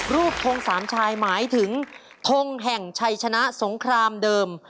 ทงสามชายหมายถึงทงแห่งชัยชนะสงครามเดิม